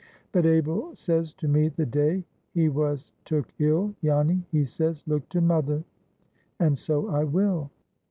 "But Abel says to me the day he was took ill, 'Janny,' he says, 'look to mother.' And so I will."